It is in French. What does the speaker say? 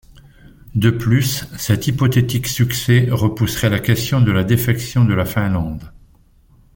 De plus, cet hypothétique succès repousserait la question de la défection de la Finlande.